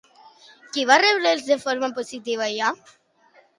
Qui va rebre'ls de forma positiva allà?